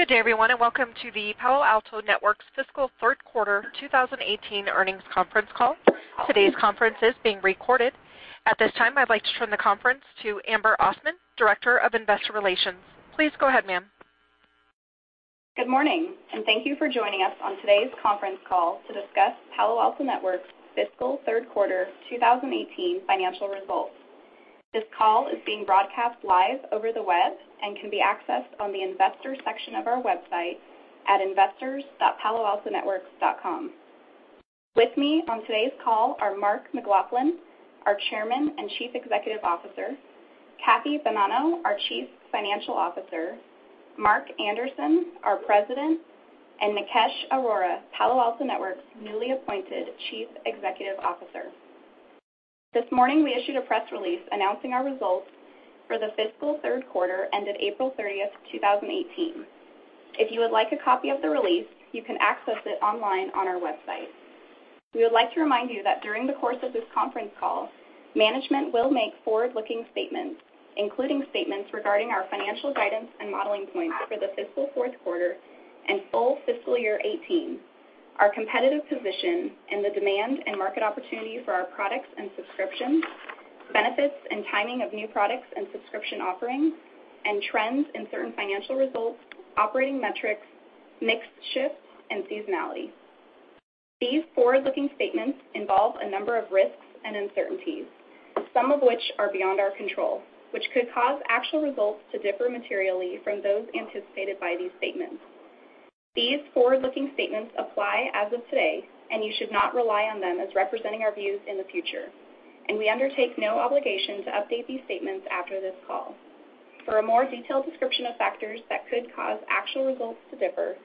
Good day everyone, welcome to the Palo Alto Networks fiscal third quarter 2018 earnings conference call. Today's conference is being recorded. At this time, I'd like to turn the conference to Amber Ossman, Director of Investor Relations. Please go ahead, ma'am. Good morning, thank you for joining us on today's conference call to discuss Palo Alto Networks' fiscal third quarter 2018 financial results. This call is being broadcast live over the web and can be accessed on the investor section of our website at investors.paloaltonetworks.com. With me on today's call are Mark McLaughlin, our Chairman and Chief Executive Officer, Kathy Bonanno, our Chief Financial Officer, Mark Anderson, our President, Nikesh Arora, Palo Alto Networks' newly appointed Chief Executive Officer. This morning, we issued a press release announcing our results for the fiscal third quarter ended April 30th, 2018. If you would like a copy of the release, you can access it online on our website. We would like to remind you that during the course of this conference call, management will make forward-looking statements, including statements regarding our financial guidance and modeling points for the fiscal fourth quarter and full fiscal year 2018, our competitive position, the demand and market opportunity for our products and subscriptions, benefits and timing of new products and subscription offerings, trends in certain financial results, operating metrics, mix shift, and seasonality. These forward-looking statements involve a number of risks and uncertainties, some of which are beyond our control, which could cause actual results to differ materially from those anticipated by these statements. These forward-looking statements apply as of today, you should not rely on them as representing our views in the future. We undertake no obligation to update these statements after this call. For a more detailed description of factors that could cause actual results to differ,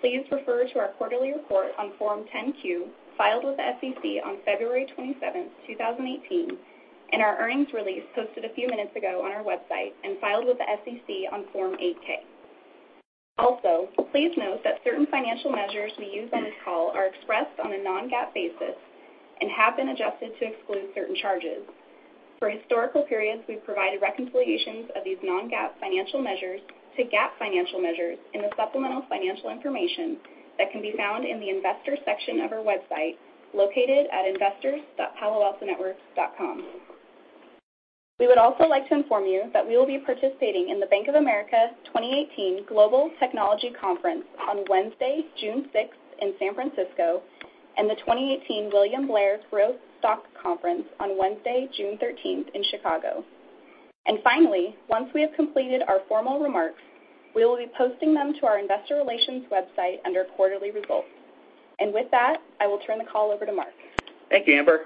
please refer to our quarterly report on Form 10-Q, filed with the SEC on February 27th, 2018, our earnings release posted a few minutes ago on our website and filed with the SEC on Form 8-K. Also, please note that certain financial measures we use on this call are expressed on a non-GAAP basis and have been adjusted to exclude certain charges. For historical periods, we've provided reconciliations of these non-GAAP financial measures to GAAP financial measures in the supplemental financial information that can be found in the investor section of our website, located at investors.paloaltonetworks.com. We would also like to inform you that we will be participating in the Bank of America 2018 Global Technology Conference on Wednesday, June 6th in San Francisco, and the 2018 William Blair Growth Stock Conference on Wednesday, June 13th in Chicago. Finally, once we have completed our formal remarks, we will be posting them to our investor relations website under quarterly results. With that, I will turn the call over to Mark. Thank you, Amber.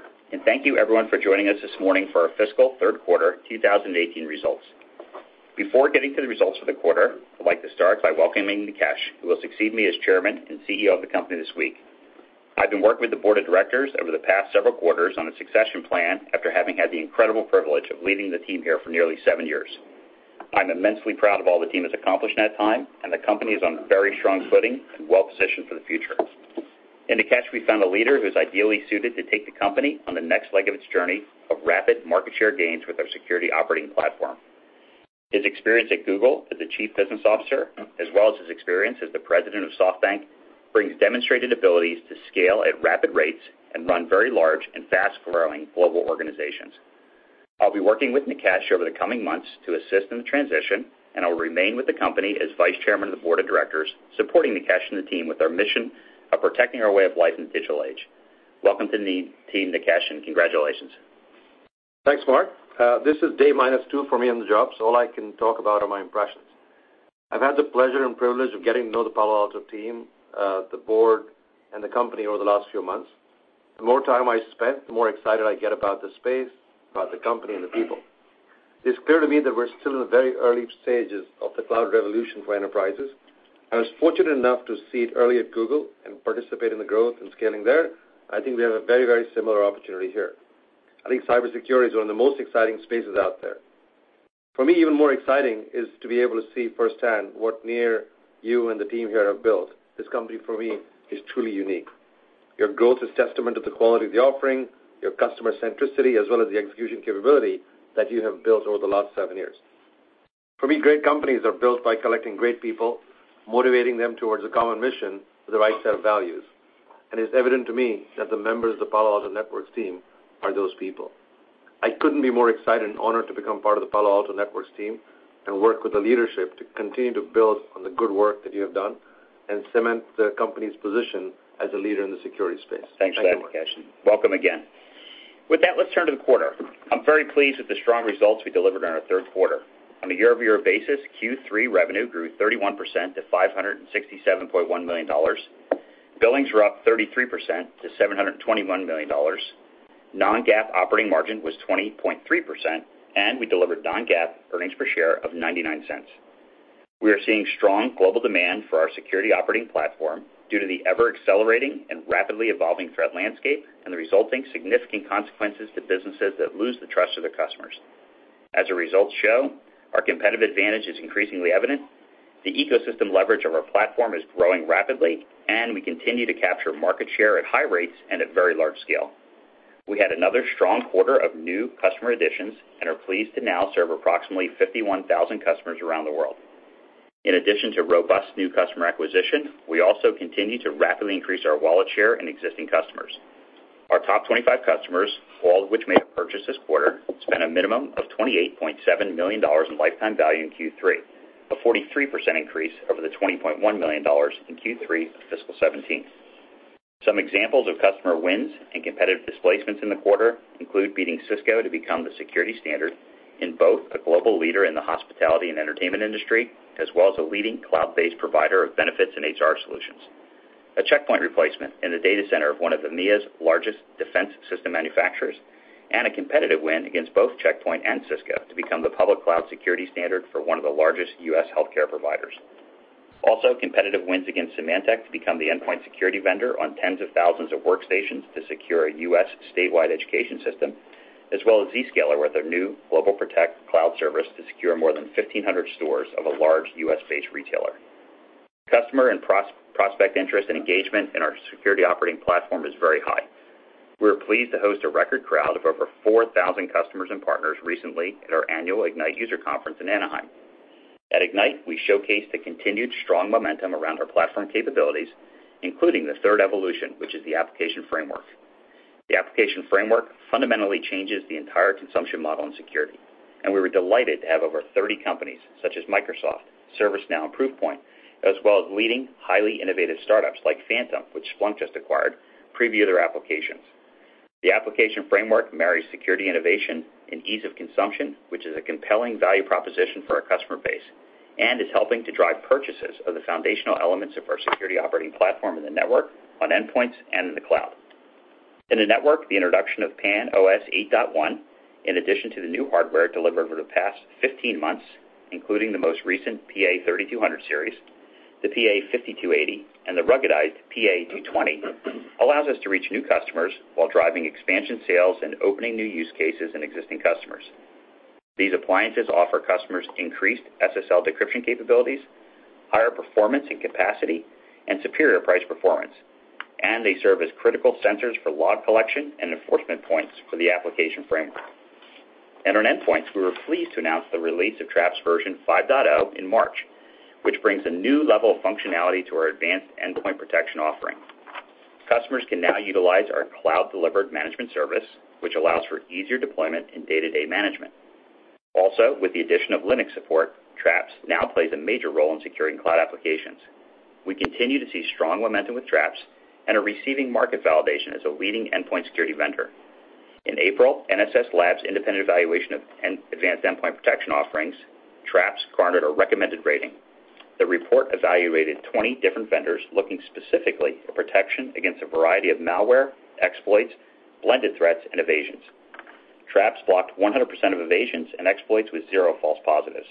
Thank you everyone for joining us this morning for our fiscal third quarter 2018 results. Before getting to the results for the quarter, I'd like to start by welcoming Nikesh, who will succeed me as Chairman and CEO of the company this week. I've been working with the board of directors over the past several quarters on a succession plan after having had the incredible privilege of leading the team here for nearly seven years. I'm immensely proud of all the team has accomplished in that time, the company is on very strong footing and well-positioned for the future. In Nikesh, we found a leader who's ideally suited to take the company on the next leg of its journey of rapid market share gains with our security operating platform. His experience at Google as the Chief Business Officer, as well as his experience as the President of SoftBank, brings demonstrated abilities to scale at rapid rates and run very large and fast-growing global organizations. I'll be working with Nikesh over the coming months to assist in the transition, I'll remain with the company as Vice Chairman of the Board of Directors, supporting Nikesh and the team with our mission of protecting our way of life in the digital age. Welcome to the team, Nikesh, congratulations. Thanks, Mark. This is day minus two for me on the job, all I can talk about are my impressions. I've had the pleasure and privilege of getting to know the Palo Alto team, the board, the company over the last few months. The more time I spend, the more excited I get about the space, about the company, the people. It's clear to me that we're still in the very early stages of the cloud revolution for enterprises. I was fortunate enough to see it early at Google, participate in the growth and scaling there. I think we have a very similar opportunity here. I think cybersecurity is one of the most exciting spaces out there. For me, even more exciting is to be able to see firsthand what, Nir, you and the team here have built. This company, for me, is truly unique. Your growth is testament to the quality of the offering, your customer centricity, as well as the execution capability that you have built over the last seven years. For me, great companies are built by collecting great people, motivating them towards a common mission with the right set of values. It's evident to me that the members of the Palo Alto Networks team are those people. I couldn't be more excited and honored to become part of the Palo Alto Networks team and work with the leadership to continue to build on the good work that you have done and cement the company's position as a leader in the security space. Thanks a lot, Nikesh. Welcome again. With that, let's turn to the quarter. I'm very pleased with the strong results we delivered on our third quarter. On a year-over-year basis, Q3 revenue grew 31% to $567.1 million. Billings were up 33% to $721 million. non-GAAP operating margin was 20.3%, and we delivered non-GAAP earnings per share of $0.99. We are seeing strong global demand for our security operating platform due to the ever-accelerating and rapidly evolving threat landscape and the resulting significant consequences to businesses that lose the trust of their customers. As our results show, our competitive advantage is increasingly evident. The ecosystem leverage of our platform is growing rapidly, and we continue to capture market share at high rates and at very large scale. We had another strong quarter of new customer additions and are pleased to now serve approximately 51,000 customers around the world. In addition to robust new customer acquisition, we also continue to rapidly increase our wallet share in existing customers. Our top 25 customers, all of which made a purchase this quarter, spent a minimum of $28.7 million in lifetime value in Q3, a 43% increase over the $20.1 million in Q3 of fiscal 2017. Some examples of customer wins and competitive displacements in the quarter include beating Cisco to become the security standard in both a global leader in the hospitality and entertainment industry, as well as a leading cloud-based provider of benefits and HR solutions, a Check Point replacement in the data center of one of EMEA's largest defense system manufacturers, and a competitive win against both Check Point and Cisco to become the public cloud security standard for one of the largest U.S. healthcare providers. Competitive wins against Symantec to become the endpoint security vendor on tens of thousands of workstations to secure a U.S. statewide education system, as well as Zscaler with their new GlobalProtect cloud service to secure more than 1,500 stores of a large U.S.-based retailer. Customer and prospect interest and engagement in our security operating platform is very high. We were pleased to host a record crowd of over 4,000 customers and partners recently at our annual Ignite user conference in Anaheim. At Ignite, we showcased the continued strong momentum around our platform capabilities, including the third evolution, which is the Application Framework. The Application Framework fundamentally changes the entire consumption model in security, and we were delighted to have over 30 companies such as Microsoft, ServiceNow, and Proofpoint, as well as leading, highly innovative startups like Phantom, which Splunk just acquired, preview their applications. The Application Framework marries security innovation and ease of consumption, which is a compelling value proposition for our customer base and is helping to drive purchases of the foundational elements of our security operating platform in the network, on endpoints, and in the cloud. In the network, the introduction of PAN-OS 8.1, in addition to the new hardware delivered over the past 15 months, including the most recent PA-3200 series, the PA-5280, and the ruggedized PA-220, allows us to reach new customers while driving expansion sales and opening new use cases in existing customers. These appliances offer customers increased SSL decryption capabilities, higher performance and capacity, and superior price performance. They serve as critical sensors for log collection and enforcement points for the Application Framework. On endpoints, we were pleased to announce the release of Traps version 5.0 in March, which brings a new level of functionality to our advanced endpoint protection offering. Customers can now utilize our cloud-delivered management service, which allows for easier deployment and day-to-day management. Also, with the addition of Linux support, Traps now plays a major role in securing cloud applications. We continue to see strong momentum with Traps and are receiving market validation as a leading endpoint security vendor. In April, NSS Labs' independent evaluation of advanced endpoint protection offerings, Traps garnered a recommended rating. The report evaluated 20 different vendors, looking specifically at protection against a variety of malware, exploits, blended threats, and evasions. Traps blocked 100% of evasions and exploits with zero false positives,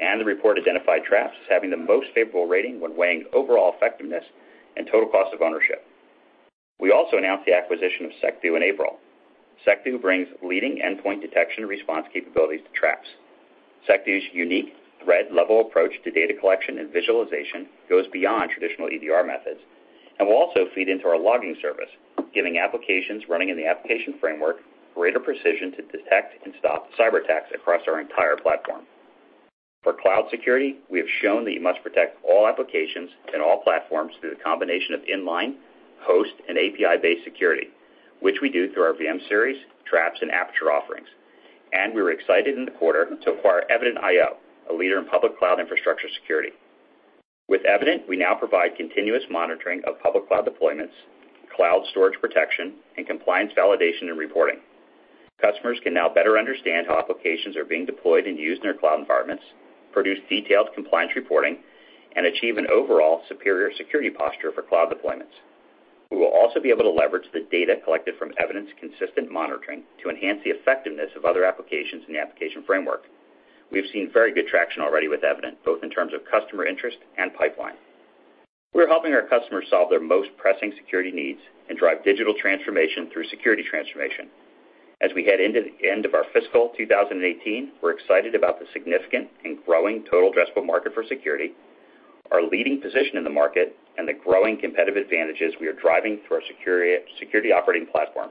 and the report identified Traps as having the most favorable rating when weighing overall effectiveness and total cost of ownership. We also announced the acquisition of Secdo in April. Secdo brings leading endpoint detection response capabilities to Traps. Secdo's unique thread-level approach to data collection and visualization goes beyond traditional EDR methods and will also feed into our logging service, giving applications running in the Application Framework greater precision to detect and stop cyber attacks across our entire platform. For cloud security, we have shown that you must protect all applications and all platforms through the combination of inline, host, and API-based security, which we do through our VM-Series, Traps, and Aperture offerings. We were excited in the quarter to acquire Evident.io, a leader in public cloud infrastructure security. With Evident, we now provide continuous monitoring of public cloud deployments, cloud storage protection, and compliance validation and reporting. Customers can now better understand how applications are being deployed and used in their cloud environments, produce detailed compliance reporting, and achieve an overall superior security posture for cloud deployments. We will also be able to leverage the data collected from Evident's consistent monitoring to enhance the effectiveness of other applications in the Application Framework. We have seen very good traction already with Evident, both in terms of customer interest and pipeline. We're helping our customers solve their most pressing security needs and drive digital transformation through security transformation. As we head into the end of our fiscal 2018, we're excited about the significant and growing total addressable market for security, our leading position in the market, and the growing competitive advantages we are driving through our security operating platform.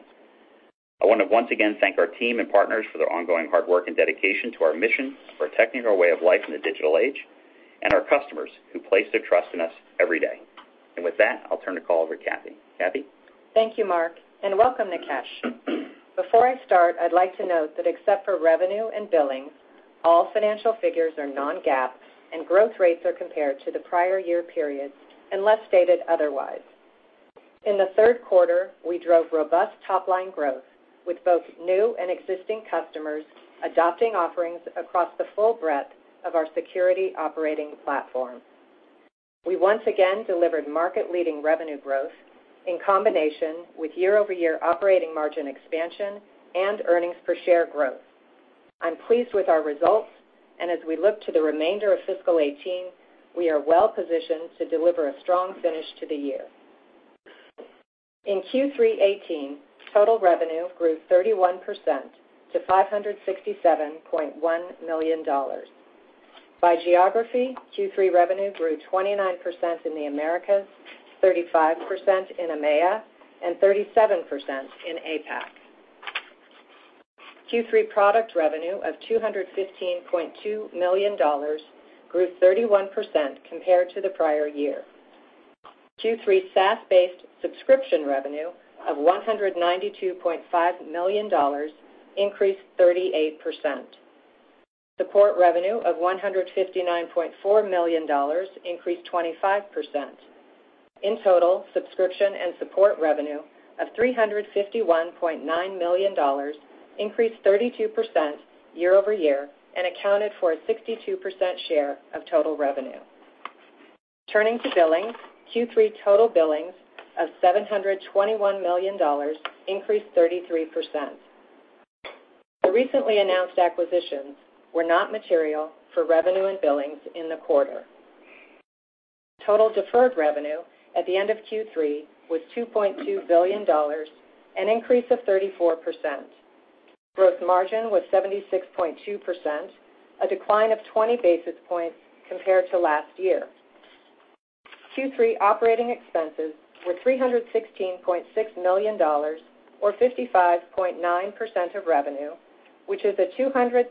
I want to once again thank our team and partners for their ongoing hard work and dedication to our mission of protecting our way of life in the digital age and our customers who place their trust in us every day. With that, I'll turn the call over to Kathy. Kathy? Thank you, Mark, and welcome, Nikesh. Before I start, I'd like to note that except for revenue and billing, all financial figures are non-GAAP, and growth rates are compared to the prior year periods unless stated otherwise. In the third quarter, we drove robust top-line growth with both new and existing customers adopting offerings across the full breadth of our security operating platform. We once again delivered market-leading revenue growth in combination with year-over-year operating margin expansion and earnings per share growth. I'm pleased with our results, and as we look to the remainder of fiscal 2018, we are well-positioned to deliver a strong finish to the year. In Q3 2018, total revenue grew 31% to $567.1 million. By geography, Q3 revenue grew 29% in the Americas, 35% in EMEA, and 37% in APAC. Q3 product revenue of $215.2 million grew 31% compared to the prior year. Q3 SaaS-based subscription revenue of $192.5 million increased 38%. Support revenue of $159.4 million increased 25%. In total, subscription and support revenue of $351.9 million increased 32% year-over-year and accounted for a 62% share of total revenue. Turning to billings, Q3 total billings of $721 million increased 33%. The recently announced acquisitions were not material for revenue and billings in the quarter. Total deferred revenue at the end of Q3 was $2.2 billion, an increase of 34%. Gross margin was 76.2%, a decline of 20 basis points compared to last year. Q3 operating expenses were $316.6 million or 55.9% of revenue, which is a 210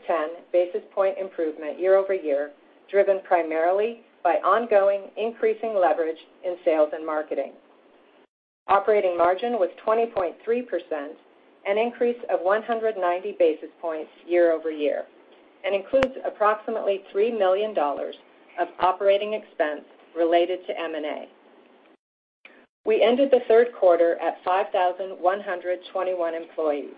basis point improvement year-over-year, driven primarily by ongoing increasing leverage in sales and marketing. Operating margin was 20.3%, an increase of 190 basis points year-over-year and includes approximately $3 million of operating expense related to M&A. We ended the third quarter at 5,121 employees.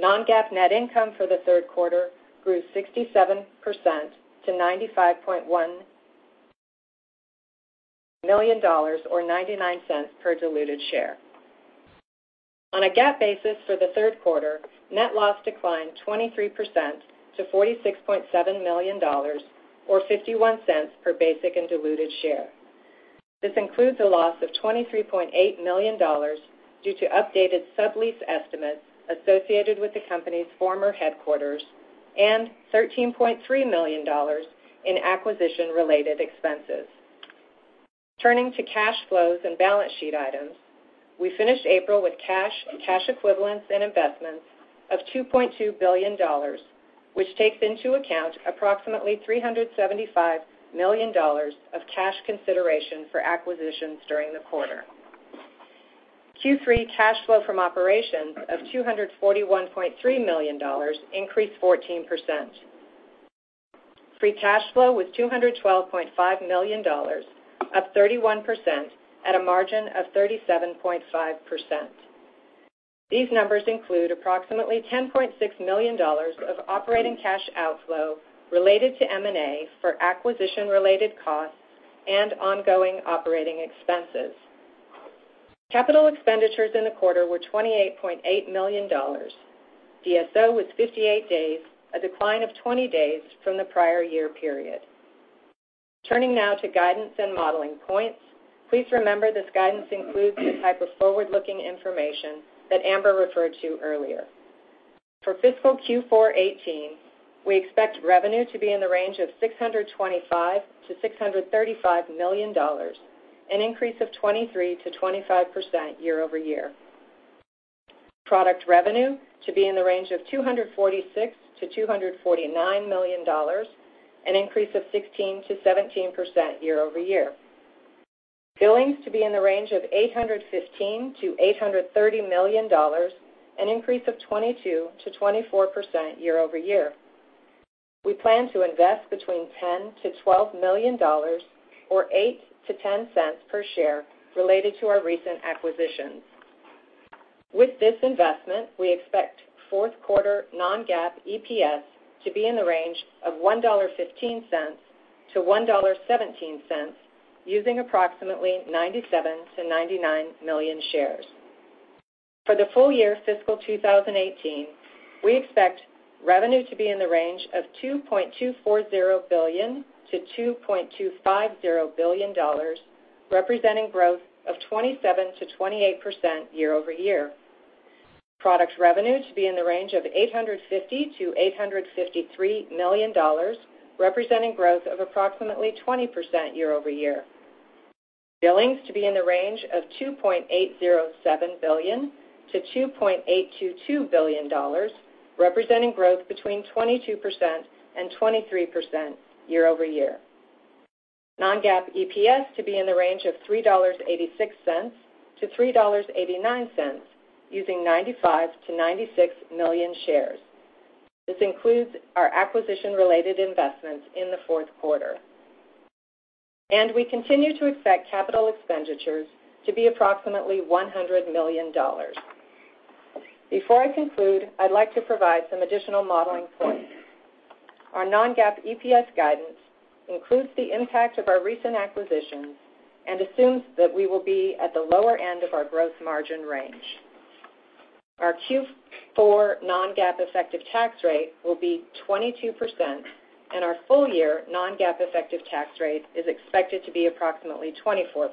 Non-GAAP net income for the third quarter grew 67% to $95.1 million or $0.99 per diluted share. On a GAAP basis for the third quarter, net loss declined 23% to $46.7 million or $0.51 per basic and diluted share. This includes a loss of $23.8 million due to updated sublease estimates associated with the company's former headquarters and $13.3 million in acquisition-related expenses. Turning to cash flows and balance sheet items, we finished April with cash equivalents, and investments of $2.2 billion, which takes into account approximately $375 million of cash consideration for acquisitions during the quarter. Q3 cash flow from operations of $241.3 million increased 14%. Free cash flow was $212.5 million, up 31%, at a margin of 37.5%. These numbers include approximately $10.6 million of operating cash outflow related to M&A for acquisition-related costs and ongoing operating expenses. Capital expenditures in the quarter were $28.8 million. DSO was 58 days, a decline of 20 days from the prior year period. Turning now to guidance and modeling points. Please remember this guidance includes the type of forward-looking information that Amber referred to earlier. For fiscal Q4 2018, we expect revenue to be in the range of $625 million-$635 million, an increase of 23%-25% year-over-year. Product revenue to be in the range of $246 million-$249 million, an increase of 16%-17% year-over-year. Billings to be in the range of $815 million-$830 million, an increase of 22%-24% year-over-year. We plan to invest between $10 million-$12 million or $0.08-$0.10 per share related to our recent acquisitions. With this investment, we expect fourth quarter non-GAAP EPS to be in the range of $1.15-$1.17, using approximately 97 million-99 million shares. For the full year fiscal 2018, we expect revenue to be in the range of $2.240 billion-$2.250 billion, representing growth of 27%-28% year-over-year. Product revenue to be in the range of $850 million-$853 million, representing growth of approximately 20% year-over-year. Billings to be in the range of $2.807 billion-$2.822 billion, representing growth between 22% and 23% year-over-year. Non-GAAP EPS to be in the range of $3.86-$3.89, using 95 million-96 million shares. This includes our acquisition-related investments in the fourth quarter. We continue to expect capital expenditures to be approximately $100 million. Before I conclude, I'd like to provide some additional modeling points. Our non-GAAP EPS guidance includes the impact of our recent acquisitions and assumes that we will be at the lower end of our gross margin range. Our Q4 non-GAAP effective tax rate will be 22%, and our full-year non-GAAP effective tax rate is expected to be approximately 24%.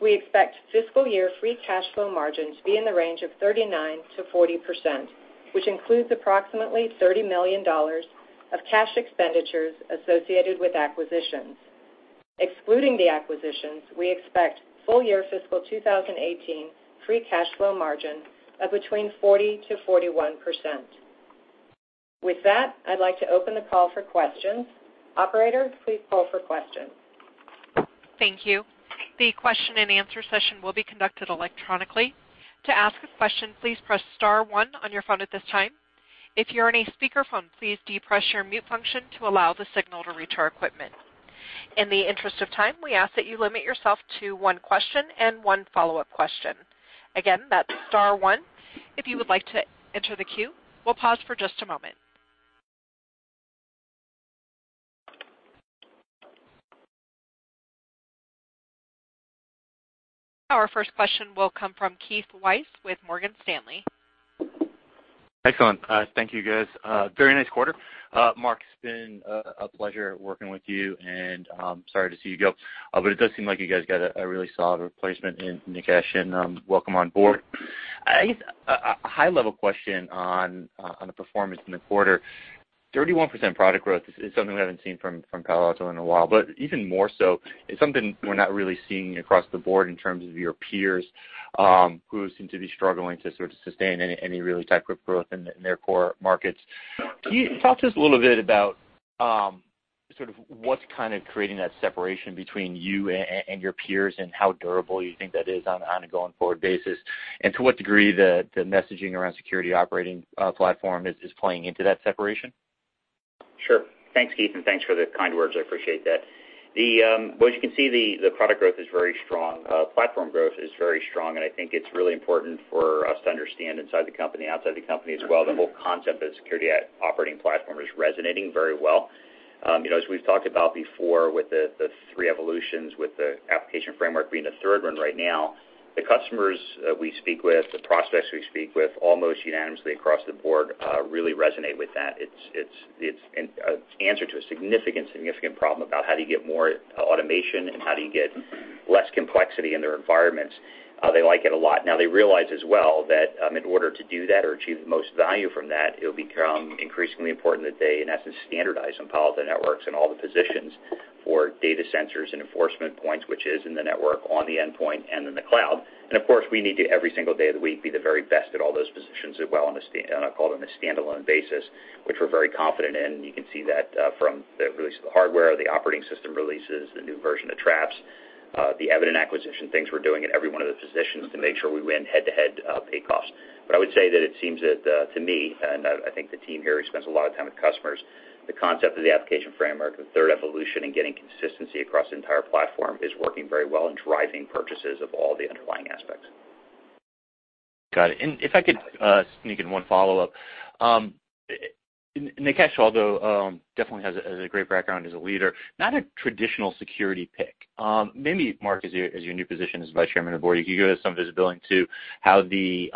We expect fiscal year free cash flow margin to be in the range of 39%-40%, which includes approximately $30 million of cash expenditures associated with acquisitions. Excluding the acquisitions, we expect full year fiscal 2018 free cash flow margin of between 40%-41%. With that, I'd like to open the call for questions. Operator, please call for questions. Thank you. The question and answer session will be conducted electronically. To ask a question, please press star one on your phone at this time. If you're on a speakerphone, please depress your mute function to allow the signal to reach our equipment. In the interest of time, we ask that you limit yourself to one question and one follow-up question. Again, that's star one if you would like to enter the queue. We'll pause for just a moment. Our first question will come from Keith Weiss with Morgan Stanley. Excellent. Thank you, guys. Very nice quarter. Mark, it's been a pleasure working with you. I'm sorry to see you go, but it does seem like you guys got a really solid replacement in Nikesh. Welcome on board. I guess a high-level question on the performance in the quarter. 31% product growth is something we haven't seen from Palo Alto Networks in a while, but even more so, it's something we're not really seeing across the board in terms of your peers, who seem to be struggling to sort of sustain any really type of growth in their core markets. Can you talk to us a little bit about sort of what's kind of creating that separation between you and your peers and how durable you think that is on a going forward basis? To what degree the messaging around security operating platform is playing into that separation? Sure. Thanks, Keith. Thanks for the kind words. I appreciate that. Well, as you can see, the product growth is very strong. Platform growth is very strong. I think it's really important for us to understand inside the company, outside the company as well, the whole concept of the security operating platform is resonating very well. As we've talked about before with the three evolutions, with the Application Framework being the third one right now, the customers we speak with, the prospects we speak with, almost unanimously across the board, really resonate with that. It's an answer to a significant problem about how do you get more automation and how do you get less complexity in their environments. They like it a lot. They realize as well that in order to do that or achieve the most value from that, it'll become increasingly important that they, in essence, standardize on Palo Alto Networks and all the positions for data sensors and enforcement points, which is in the network, on the endpoint, and in the cloud. Of course, we need to, every single day of the week, be the very best at all those positions as well on a, and I call it on a standalone basis, which we're very confident in. You can see that from the release of the hardware, the operating system releases, the new version of Traps, the Evident acquisition things we're doing at every one of the positions to make sure we win head-to-head across. I would say that it seems that to me, and I think the team here spends a lot of time with customers, the concept of the Application Framework, the third evolution in getting consistency across the entire platform is working very well in driving purchases of all the underlying aspects. Got it. If I could sneak in one follow-up. Nikesh, although definitely has a great background as a leader, not a traditional security pick. Maybe Mark, as your new position as Vice Chairman of the board, you could give us some visibility into how the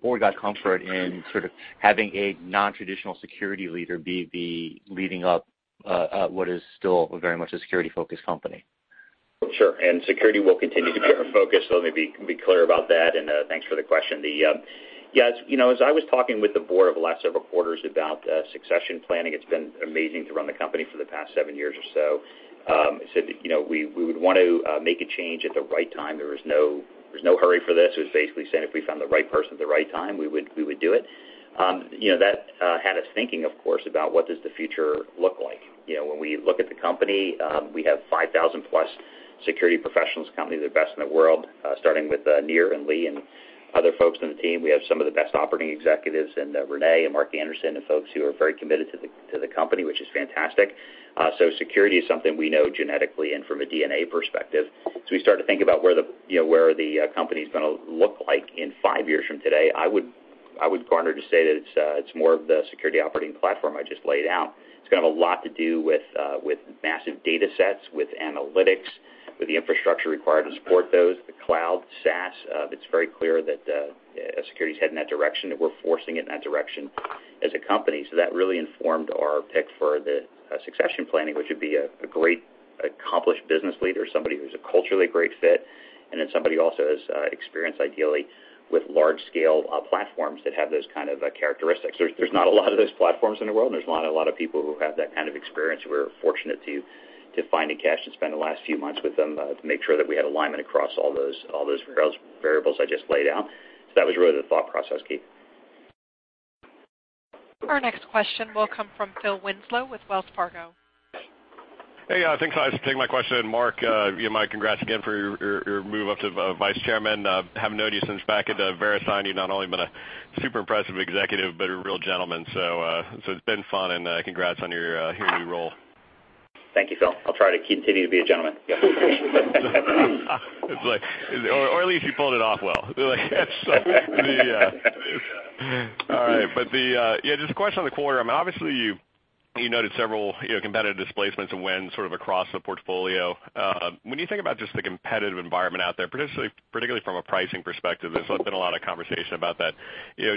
board got comfort in sort of having a non-traditional security leader be leading up what is still very much a security-focused company. Sure. Security will continue to be our focus. Let me be clear about that, and thanks for the question. As I was talking with the board over the last several quarters about succession planning, it's been amazing to run the company for the past seven years or so. I said that we would want to make a change at the right time. There was no hurry for this. It was basically saying if we found the right person at the right time, we would do it. That had us thinking, of course, about what does the future look like. When we look at the company, we have 5,000-plus security professionals, companies are the best in the world, starting with Nir and Lee and other folks on the team. We have some of the best operating executives in René Bonvanie and Mark Anderson and folks who are very committed to the company, which is fantastic. Security is something we know genetically and from a DNA perspective. We started to think about where the company's going to look like in five years from today. I would garner to say that it's more of the security operating platform I just laid out. It's going to have a lot to do with massive data sets, with analytics, with the infrastructure required to support those, the cloud, SaaS. It's very clear that security's headed in that direction, that we're forcing it in that direction as a company. That really informed our pick for the succession planning, which would be a great accomplished business leader, somebody who's a culturally great fit, and then somebody also has experience ideally with large-scale platforms that have those kind of characteristics. There's not a lot of those platforms in the world, and there's not a lot of people who have that kind of experience. We're fortunate to find Nikesh and spend the last few months with him to make sure that we had alignment across all those variables I just laid out. That was really the thought process, Keith. Our next question will come from Phil Winslow with Wells Fargo. Hey, thanks. I take my question. Mark, my congrats again for your move up to Vice Chairman. Have known you since back at Verisign. You've not only been a super impressive executive, but a real gentleman. It's been fun, and congrats on your new role. Thank you, Phil. I'll try to continue to be a gentleman. At least you pulled it off well. All right. Just a question on the quarter. Obviously, you noted several competitive displacements and wins sort of across the portfolio. When you think about just the competitive environment out there, particularly from a pricing perspective, there's been a lot of conversation about that.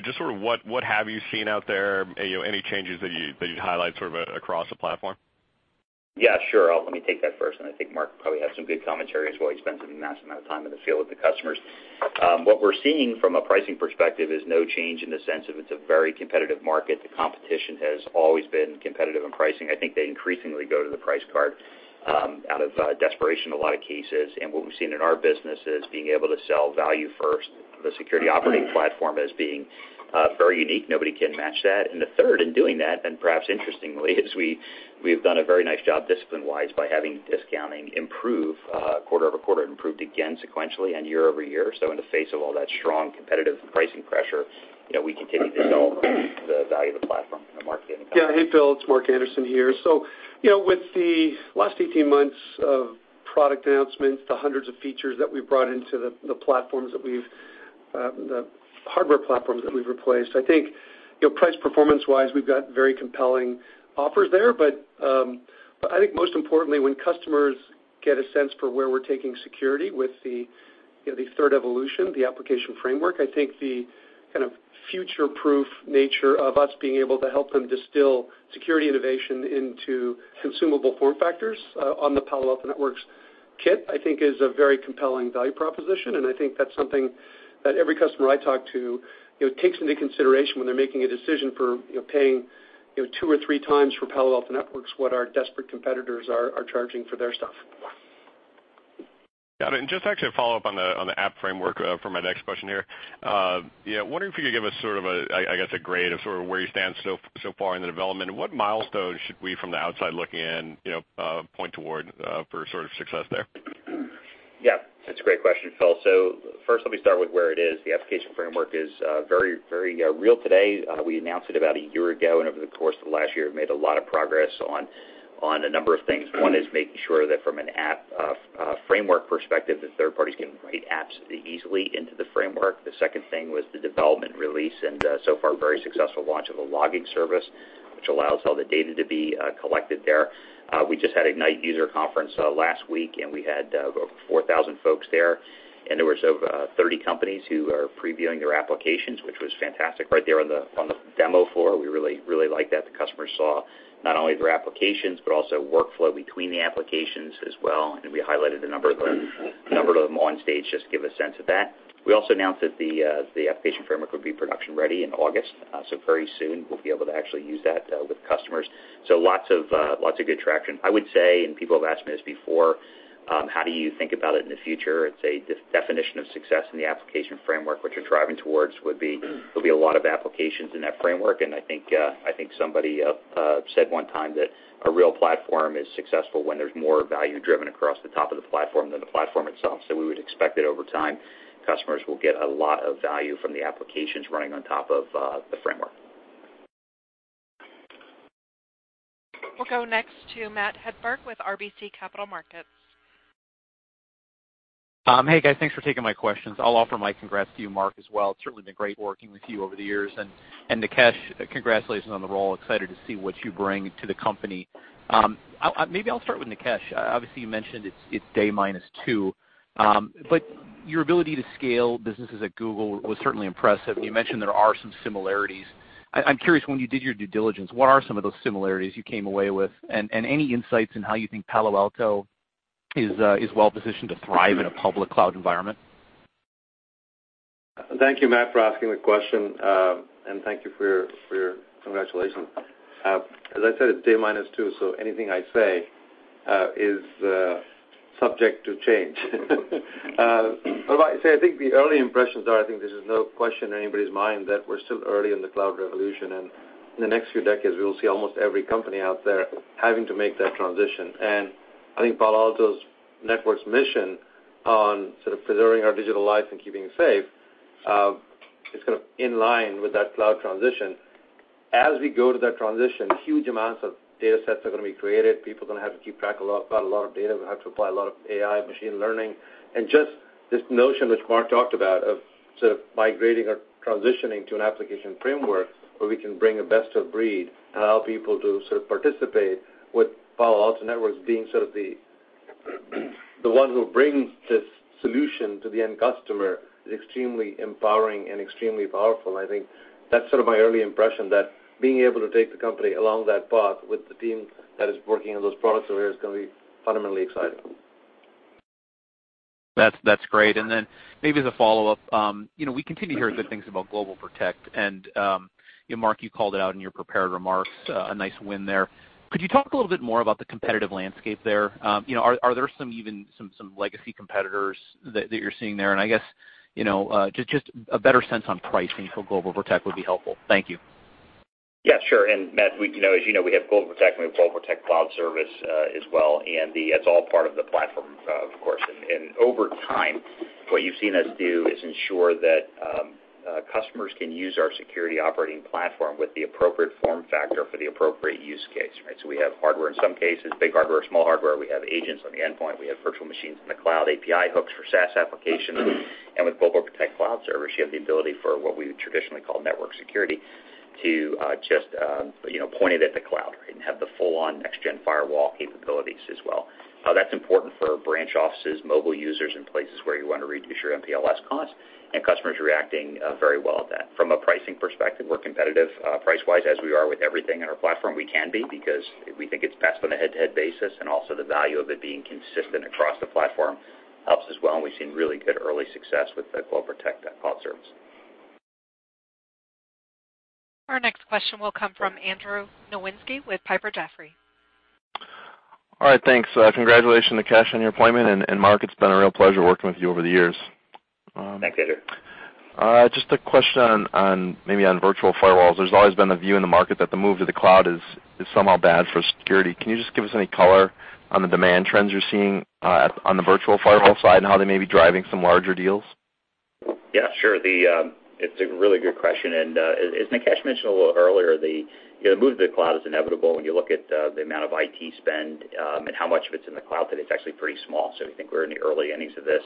Just sort of what have you seen out there? Any changes that you'd highlight sort of across the platform? Yeah, sure. Let me take that first, and I think Mark probably has some good commentary as well. He spends a massive amount of time in the field with the customers. What we're seeing from a pricing perspective is no change in the sense of it's a very competitive market. The competition has always been competitive in pricing. I think they increasingly go to the price card out of desperation in a lot of cases. What we've seen in our business is being able to sell value first, the security operating platform as being very unique. Nobody can match that. The third in doing that, and perhaps interestingly, is we have done a very nice job discipline-wise by having discounting improve quarter-over-quarter. It improved again sequentially and year-over-year. In the face of all that strong competitive pricing pressure, we continue to sell the value of the platform in the market. Yeah. Hey, Phil, it's Mark Anderson here. With the last 18 months of product announcements, the hundreds of features that we've brought into the hardware platforms that we've replaced, I think price performance-wise, we've got very compelling offers there. I think most importantly, when customers get a sense for where we're taking security with the third evolution, the Application Framework, I think the kind of future-proof nature of us being able to help them distill security innovation into consumable form factors on the Palo Alto Networks kit, I think is a very compelling value proposition, and I think that's something that every customer I talk to takes into consideration when they're making a decision for paying 2x or 3x for Palo Alto Networks, what our desperate competitors are charging for their stuff. Got it. Just actually a follow-up on the Application Framework for my next question here. Wondering if you could give us sort of a grade of sort of where you stand so far in the development, and what milestones should we, from the outside looking in, point toward for sort of success there? Yeah, that's a great question, Phil. First, let me start with where it is. The Application Framework is very real today. We announced it about a year ago, and over the course of last year, have made a lot of progress on a number of things. One is making sure that from an Application Framework perspective, that third parties can write apps easily into the framework. The second thing was the development release, and so far, very successful launch of a logging service, which allows all the data to be collected there. We just had Ignite user conference last week, and we had over 4,000 folks there, and there were sort of 30 companies who are previewing their applications, which was fantastic right there on the demo floor. We really liked that. The customers saw not only their applications, but also workflow between the applications as well. We highlighted a number of them on stage just to give a sense of that. We also announced that the Application Framework would be production-ready in August, very soon we'll be able to actually use that with customers. Lots of good traction. I would say, people have asked me this before, how do you think about it in the future? It's a definition of success in the Application Framework, which you're driving towards would be a lot of applications in that framework. I think somebody said one time that a real platform is successful when there's more value driven across the top of the platform than the platform itself. We would expect that over time, customers will get a lot of value from the applications running on top of the framework. We'll go next to Matthew Hedberg with RBC Capital Markets. Hey, guys. Thanks for taking my questions. I'll offer my congrats to you, Mark, as well. It's certainly been great working with you over the years. Nikesh, congratulations on the role. Excited to see what you bring to the company. Maybe I'll start with Nikesh. Obviously, you mentioned it's day minus two, but your ability to scale businesses at Google was certainly impressive, and you mentioned there are some similarities. I'm curious, when you did your due diligence, what are some of those similarities you came away with? Any insights in how you think Palo Alto is well-positioned to thrive in a public cloud environment? Thank you, Matt, for asking the question, and thank you for your congratulations. As I said, it's day minus two, so anything I say is subject to change. What I say, I think the early impressions are, I think there's no question in anybody's mind that we're still early in the cloud revolution, and in the next few decades, we will see almost every company out there having to make that transition. Palo Alto Networks' mission on sort of preserving our digital life and keeping it safe is kind of in line with that cloud transition. As we go to that transition, huge amounts of data sets are going to be created. People are going to have to keep track a lot about a lot of data. We'll have to apply a lot of AI machine learning. Just this notion that Mark talked about of sort of migrating or transitioning to an Application Framework where we can bring a best of breed and allow people to sort of participate with Palo Alto Networks being sort of the one who brings this solution to the end customer is extremely empowering and extremely powerful. I think that's sort of my early impression, that being able to take the company along that path with the team that is working on those products over here is going to be fundamentally exciting. That's great. Then maybe as a follow-up, we continue to hear good things about GlobalProtect, and Mark, you called out in your prepared remarks a nice win there. Could you talk a little bit more about the competitive landscape there? Are there some legacy competitors that you're seeing there? And I guess, just a better sense on pricing for GlobalProtect would be helpful. Thank you. Yeah, sure. Matt, as you know, we have GlobalProtect and we have GlobalProtect cloud service as well, and that's all part of the platform, of course. Over time, what you've seen us do is ensure that customers can use our security operating platform with the appropriate form factor for the appropriate use case, right? We have hardware in some cases, big hardware or small hardware. We have agents on the endpoint. We have virtual machines in the cloud, API hooks for SaaS applications, and with GlobalProtect cloud service, you have the ability for what we would traditionally call network security to just point it at the cloud and have the full-on next-gen firewall capabilities as well. That's important for branch offices, mobile users in places where you want to reduce your MPLS costs, and customers reacting very well to that. From a pricing perspective, we're competitive price-wise as we are with everything in our platform. We can be, because we think it's best on a head-to-head basis, and also the value of it being consistent across the platform helps as well, and we've seen really good early success with the GlobalProtect cloud service. Our next question will come from Andrew Nowinski with Piper Jaffray. All right, thanks. Congratulations, Nikesh, on your appointment, and Mark, it's been a real pleasure working with you over the years. Thanks, Andrew. Just a question on maybe on virtual firewalls. There's always been a view in the market that the move to the cloud is somehow bad for security. Can you just give us any color on the demand trends you're seeing on the virtual firewall side and how they may be driving some larger deals? Yeah, sure. It's a really good question. As Nikesh mentioned a little earlier, the move to the cloud is inevitable. When you look at the amount of IT spend and how much of it's in the cloud today, it's actually pretty small. We think we're in the early innings of this.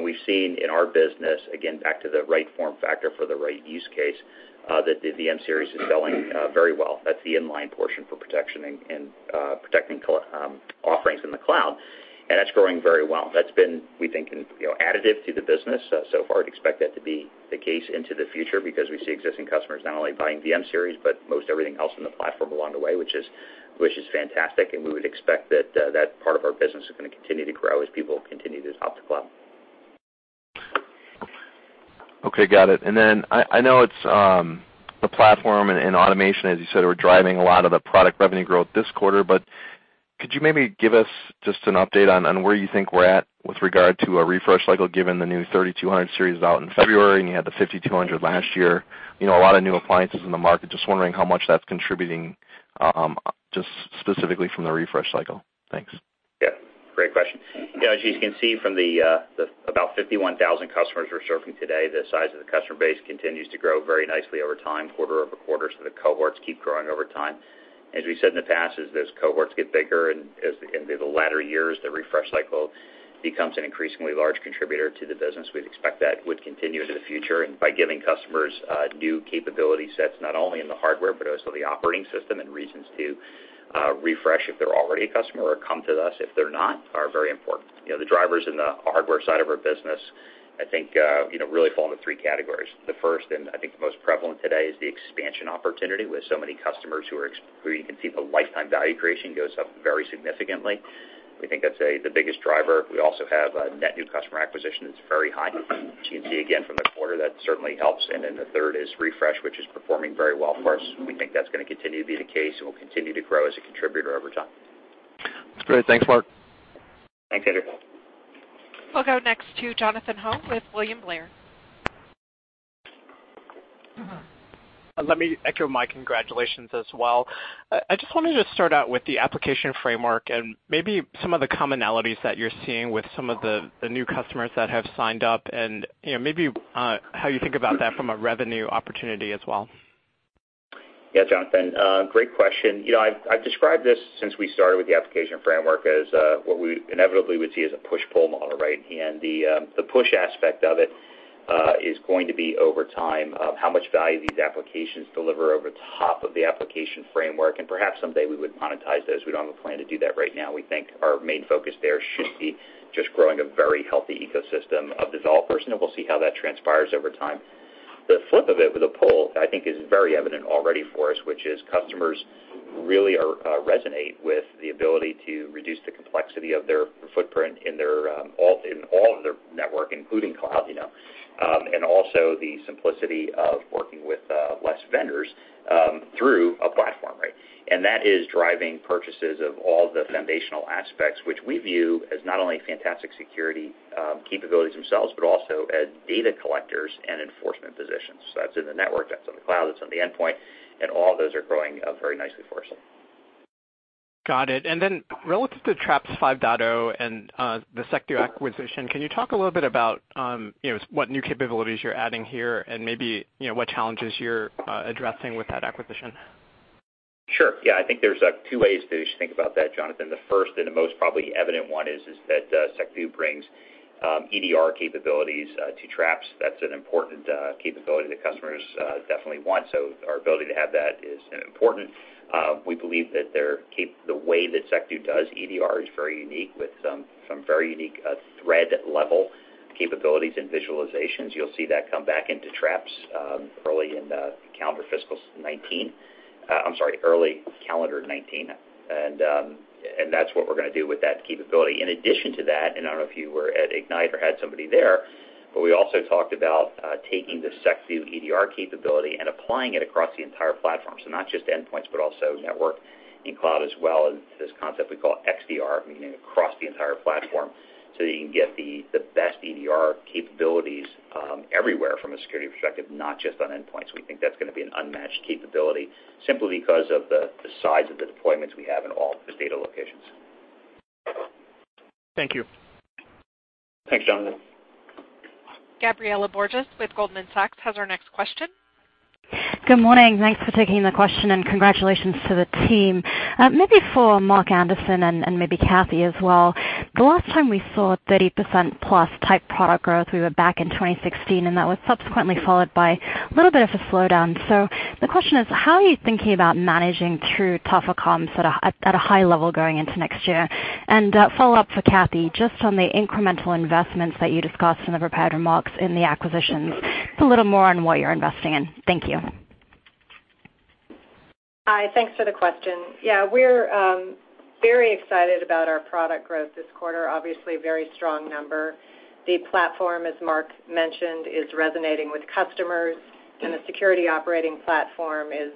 We've seen in our business, again, back to the right form factor for the right use case, that the VM-Series is selling very well. That's the inline portion for protection and protecting offerings in the cloud, and that's growing very well. That's been, we think, additive to the business so far. We'd expect that to be the case into the future because we see existing customers not only buying VM-Series, but most everything else in the platform along the way, which is fantastic. We would expect that part of our business is going to continue to grow as people continue to hop to cloud. Okay, got it. I know it's the platform and automation, as you said, were driving a lot of the product revenue growth this quarter, but could you maybe give us just an update on where you think we're at with regard to a refresh cycle, given the new 3200 series out in February and you had the 5200 last year, a lot of new appliances in the market, just wondering how much that's contributing, just specifically from the refresh cycle. Thanks. Yeah. Great question. As you can see from the about 51,000 customers we're serving today, the size of the customer base continues to grow very nicely over time, quarter-over-quarter. The cohorts keep growing over time. As we said in the past, as those cohorts get bigger and as they get into the latter years, the refresh cycle becomes an increasingly large contributor to the business. We'd expect that would continue into the future. By giving customers new capability sets, not only in the hardware but also the operating system and reasons to refresh if they're already a customer or come to us if they're not, are very important. The drivers in the hardware side of our business, I think really fall into three categories. The first, and I think the most prevalent today, is the expansion opportunity with so many customers who you can see the lifetime value creation goes up very significantly. We think that's the biggest driver. We also have a net new customer acquisition that's very high. As you can see again from the quarter, that certainly helps. The third is refresh, which is performing very well for us. We think that's going to continue to be the case and will continue to grow as a contributor over time. That's great. Thanks, Mark. Thanks, Andrew. We'll go next to Jonathan Ho with William Blair. Let me echo my congratulations as well. I just wanted to start out with the Application Framework and maybe some of the commonalities that you're seeing with some of the new customers that have signed up and maybe how you think about that from a revenue opportunity as well. Yeah, Jonathan, great question. I've described this since we started with the Application Framework as what we inevitably would see as a push-pull model. The push aspect of it is going to be over time, how much value these applications deliver over top of the Application Framework, and perhaps someday we would monetize those. We don't have a plan to do that right now. We think our main focus there should be just growing a very healthy ecosystem of developers, and we'll see how that transpires over time. The flip of it with a pull, I think, is very evident already for us, which is customers really resonate with the ability to reduce the complexity of their footprint in all of their network, including cloud, and also the simplicity of working with less vendors through a platform. That is driving purchases of all the foundational aspects, which we view as not only fantastic security capabilities themselves, but also as data collectors and enforcement positions. That's in the network, that's on the cloud, that's on the endpoint, and all of those are growing very nicely for us. Got it. Relative to Traps 5.0 and the Secdo acquisition, can you talk a little bit about what new capabilities you're adding here and maybe what challenges you're addressing with that acquisition? Sure. Yeah, I think there's two ways to think about that, Jonathan. The first and the most probably evident one is that Secdo brings EDR capabilities to Traps. That's an important capability that customers definitely want. Our ability to have that is important. We believe that the way that Secdo does EDR is very unique, with some very unique thread-level capabilities and visualizations. You'll see that come back into Traps early in calendar 2019. That's what we're going to do with that capability. In addition to that, I don't know if you were at Ignite or had somebody there, we also talked about taking the Secdo EDR capability and applying it across the entire platform. Not just endpoints, also network and cloud as well, this concept we call XDR, meaning across the entire platform, so that you can get the best EDR capabilities everywhere from a security perspective, not just on endpoints. We think that's going to be an unmatched capability simply because of the size of the deployments we have in all the data locations. Thank you. Thanks, Jonathan. Gabriela Borges with Goldman Sachs has our next question. Good morning. Thanks for taking the question and congratulations to the team. Maybe for Mark Anderson and maybe Kathy as well. The last time we saw 30%+ type product growth, we were back in 2016, and that was subsequently followed by a little bit of a slowdown. The question is, how are you thinking about managing through tougher comps at a high level going into next year? A follow-up for Kathy, just on the incremental investments that you discussed in the prepared remarks in the acquisitions, a little more on what you're investing in. Thank you. Hi. Thanks for the question. Yeah, we're very excited about our product growth this quarter. Obviously a very strong number. The platform, as Mark mentioned, is resonating with customers, and the security operating platform is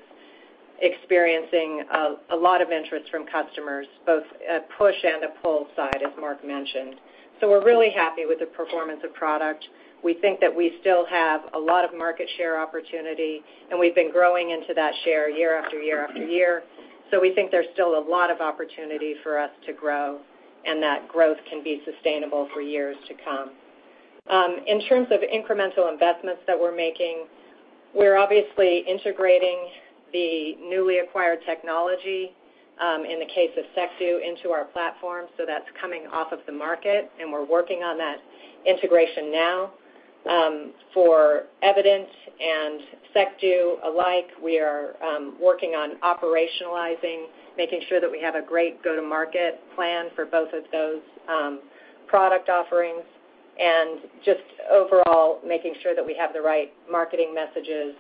experiencing a lot of interest from customers, both a push and a pull side, as Mark mentioned. We're really happy with the performance of product. We think that we still have a lot of market share opportunity, and we've been growing into that share year after year after year. We think there's still a lot of opportunity for us to grow and that growth can be sustainable for years to come. In terms of incremental investments that we're making, we're obviously integrating the newly acquired technology, in the case of Secdo, into our platform, that's coming off of the market and we're working on that integration now. For Evident and Secdo alike, we are working on operationalizing, making sure that we have a great go-to-market plan for both of those product offerings, and just overall making sure that we have the right marketing messages,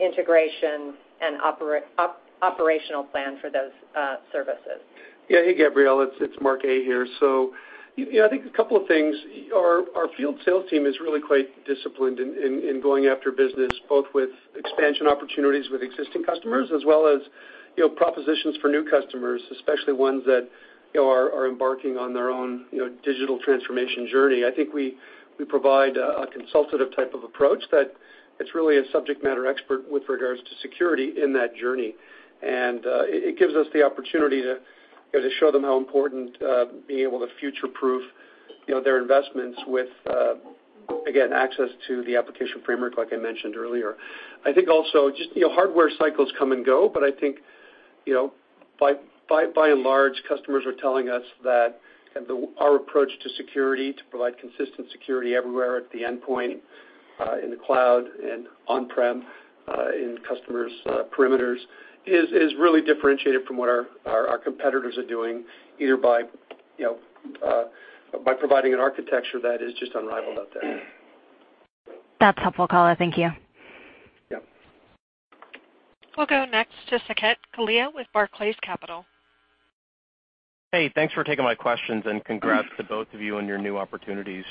integration, and operational plan for those services. Yeah. Hey, Gabriela. It's Mark A here. I think a couple of things. Our field sales team is really quite disciplined in going after business, both with expansion opportunities with existing customers as well as propositions for new customers, especially ones that are embarking on their own digital transformation journey. I think we provide a consultative type of approach that it's really a subject matter expert with regards to security in that journey. It gives us the opportunity to show them how important being able to future-proof their investments with, again, access to the Application Framework like I mentioned earlier. I think also just hardware cycles come and go, but I think by and large, customers are telling us that our approach to security, to provide consistent security everywhere at the endpoint, in the cloud and on-prem, in customers' perimeters, is really differentiated from what our competitors are doing, either by providing an architecture that is just unrivaled out there. That's helpful color. Thank you. Yep. We'll go next to Saket Kalia with Barclays Capital. Hey, thanks for taking my questions and congrats to both of you on your new opportunities.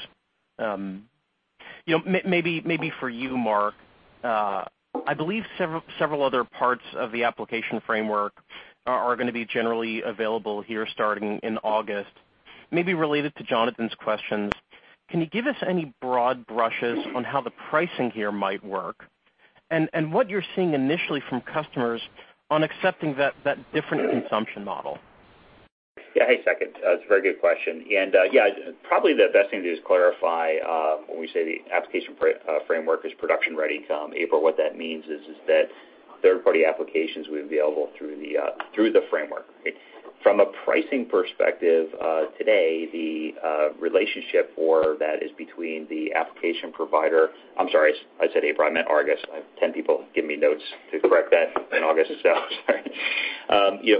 Maybe for you, Mark, I believe several other parts of the Application Framework are going to be generally available here starting in August. Maybe related to Jonathan's questions, can you give us any broad brushes on how the pricing here might work and what you're seeing initially from customers on accepting that different consumption model? Hey, Saket. It's a very good question. Yeah, probably the best thing to do is clarify when we say the Application Framework is production ready to come April, what that means is that third-party applications will be available through the framework. From a pricing perspective, today, the relationship for that is between the application provider. I'm sorry. I said April, I meant August. I have 10 people giving me notes to correct that in August, so sorry.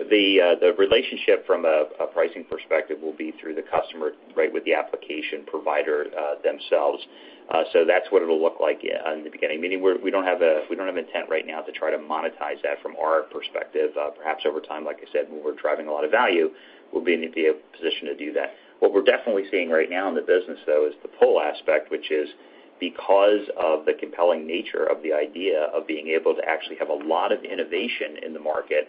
The relationship from a pricing perspective will be through the customer with the application provider themselves. That's what it'll look like in the beginning. Meaning, we don't have intent right now to try to monetize that from our perspective. Perhaps over time, like I said, when we're driving a lot of value, we'll be in a position to do that. What we're definitely seeing right now in the business, though, is the pull aspect, which is because of the compelling nature of the idea of being able to actually have a lot of innovation in the market,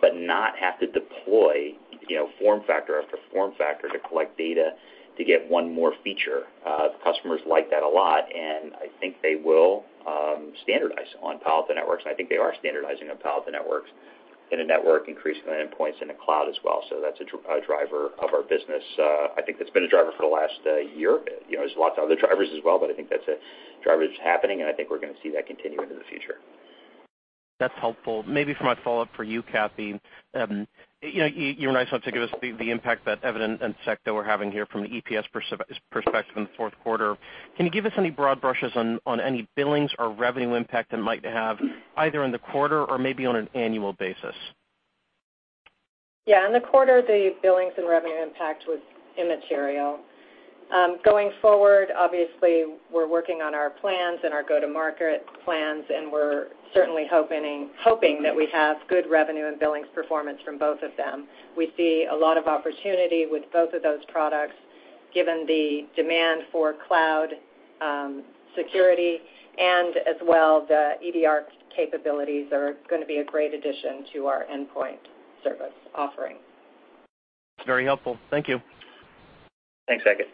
but not have to deploy form factor after form factor to collect data to get one more feature. The customers like that a lot. I think they will standardize on Palo Alto Networks. I think they are standardizing on Palo Alto Networks in a network increasingly than endpoints in a cloud as well. That's a driver of our business. I think that's been a driver for the last year. There's lots of other drivers as well. I think that's a driver that's happening. I think we're going to see that continue into the future. That's helpful. Maybe for my follow-up for you, Kathy. You were nice enough to give us the impact that Evident.io and Secdo are having here from the EPS perspective in the fourth quarter. Can you give us any broad brushes on any billings or revenue impact it might have either in the quarter or maybe on an annual basis? Yeah. In the quarter, the billings and revenue impact was immaterial. Going forward, obviously, we're working on our plans and our go-to-market plans, and we're certainly hoping that we have good revenue and billings performance from both of them. We see a lot of opportunity with both of those products, given the demand for cloud security, and as well, the EDR capabilities are going to be a great addition to our endpoint service offering. Very helpful. Thank you. Thanks, Saket.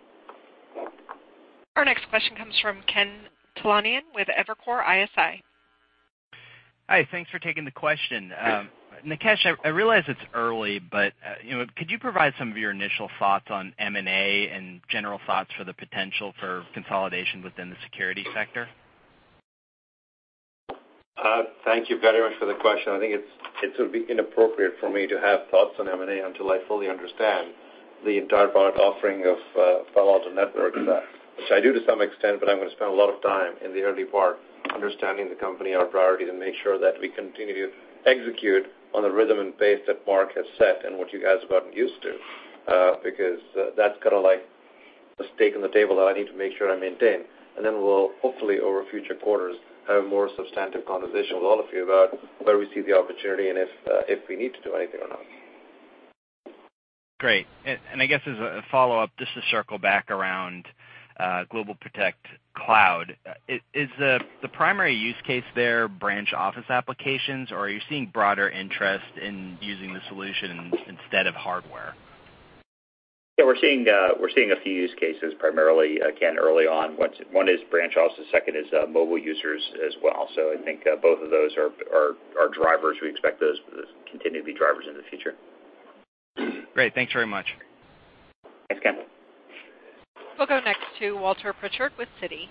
Our next question comes from Ken Talanian with Evercore ISI. Hi. Thanks for taking the question. Nikesh, I realize it's early, but could you provide some of your initial thoughts on M&A and general thoughts for the potential for consolidation within the security sector? Thank you very much for the question. I think it would be inappropriate for me to have thoughts on M&A until I fully understand the entire product offering of Palo Alto Networks, which I do to some extent, but I'm going to spend a lot of time in the early part understanding the company, our priorities, and make sure that we continue to execute on the rhythm and pace that Mark has set and what you guys have gotten used to. That's kind of like the stake on the table that I need to make sure I maintain. We'll, hopefully, over future quarters, have more substantive conversations with all of you about where we see the opportunity and if we need to do anything or not. Great. I guess as a follow-up, just to circle back around GlobalProtect Cloud. Is the primary use case there branch office applications, or are you seeing broader interest in using the solution instead of hardware? Yeah, we're seeing a few use cases primarily, again, early on. One is branch office, the second is mobile users as well. I think both of those are drivers. We expect those to continue to be drivers into the future. Great. Thanks very much. Thanks, Ken. We'll go next to Walter Pritchard with Citi.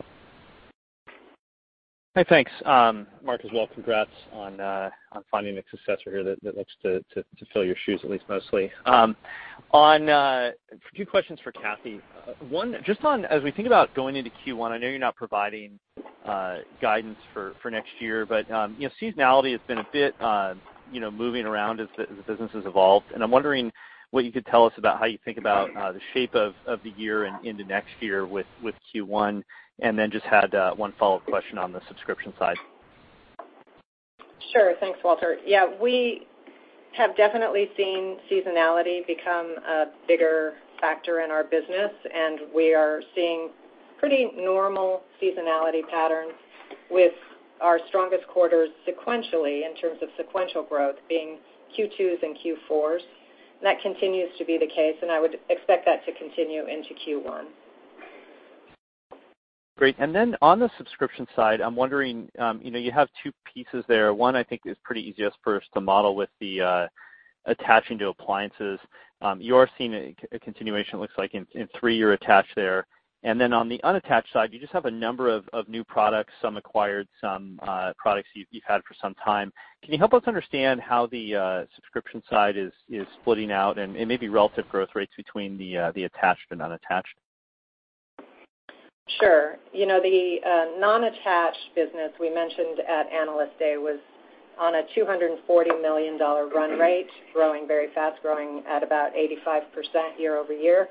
Hi, thanks. Mark, as well, congrats on finding a successor here that looks to fill your shoes, at least mostly. Two questions for Kathy. One, just on, as we think about going into Q1, I know you're not providing guidance for next year, but seasonality has been a bit moving around as the business has evolved, and I'm wondering what you could tell us about how you think about the shape of the year and into next year with Q1, and then just had one follow-up question on the subscription side. Sure. Thanks, Walter. Yeah, we have definitely seen seasonality become a bigger factor in our business, and we are seeing pretty normal seasonality patterns with our strongest quarters sequentially in terms of sequential growth being Q2s and Q4s. That continues to be the case, and I would expect that to continue into Q1. Great. On the subscription side, I'm wondering, you have two pieces there. One I think is pretty easy just for us to model with the attaching to appliances. You are seeing a continuation, it looks like, in three-year attach there. On the unattached side, you just have a number of new products, some acquired, some products you've had for some time. Can you help us understand how the subscription side is splitting out, and maybe relative growth rates between the attached and unattached? Sure. The non-attached business we mentioned at Analyst Day was on a $240 million run rate, growing very fast, growing at about 85% year-over-year.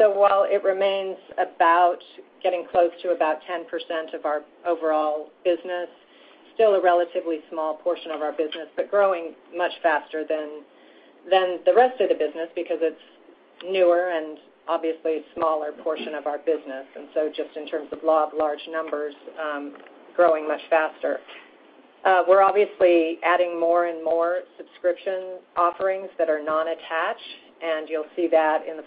While it remains about getting close to about 10% of our overall business, still a relatively small portion of our business, but growing much faster than the rest of the business because it's newer and obviously a smaller portion of our business. Just in terms of law of large numbers, growing much faster. We're obviously adding more and more subscription offerings that are non-attached, and you'll see that in the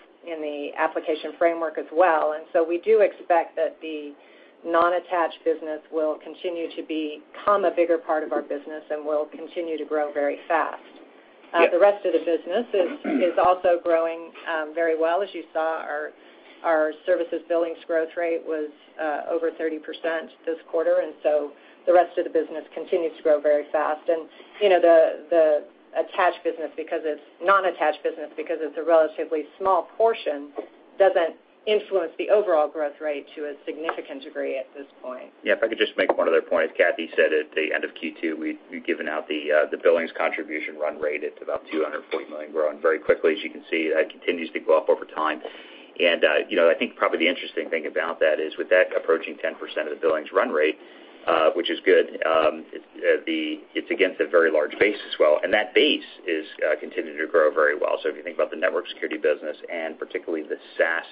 Application Framework as well. We do expect that the non-attached business will continue to become a bigger part of our business and will continue to grow very fast. The rest of the business is also growing very well. As you saw, our services billings growth rate was over 30% this quarter. The rest of the business continues to grow very fast. The non-attached business, because it's a relatively small portion, doesn't influence the overall growth rate to a significant degree at this point. If I could just make one other point. Kathy said, at the end of Q2, we'd given out the billings contribution run rate. It's about $240 million, growing very quickly. You can see, that continues to go up over time. I think probably the interesting thing about that is with that approaching 10% of the billings run rate, which is good, it's against a very large base as well. That base is continuing to grow very well. If you think about the network security business and particularly the SaaS